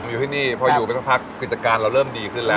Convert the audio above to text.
อยู่ที่นี่พออยู่ไปสักพักกิจการเราเริ่มดีขึ้นแล้ว